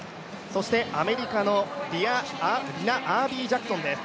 アメリカのリナ・アービージャクソンです。